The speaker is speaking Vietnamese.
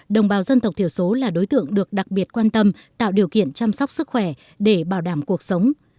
đồng bào dân tộc thiểu số là đối tượng được đặc biệt quan tâm tạo điều kiện chăm sóc sức khỏe để bảo đảm cuộc sống